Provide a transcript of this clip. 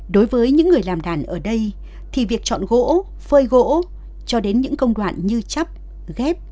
đối với những người làm đàn ở đây thì việc chọn gỗ phơi gỗ cho đến những công đoạn như chấp ghép